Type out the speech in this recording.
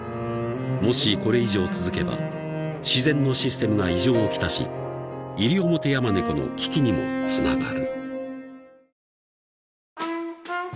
［もしこれ以上続けば自然のシステムが異常をきたしイリオモテヤマネコの危機にもつながる］